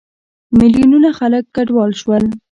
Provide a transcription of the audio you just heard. میلیونونه خلک کډوال شول.